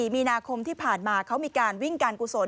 มีนาคมที่ผ่านมาเขามีการวิ่งการกุศล